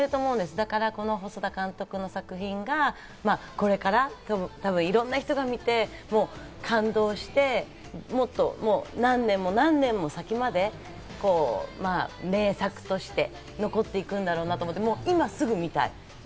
だから細田監督の作品はこれから多分いろんな人が見て感動して、何年も何年も先まで名作として残っていくんだろうなと思って、今すぐ見たい。